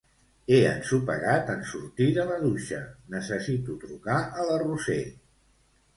He ensopegat en sortir de la dutxa, necessito trucar a la Roser.